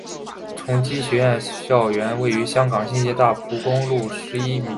崇基学院校园位于香港新界大埔公路十一咪半东北之山谷。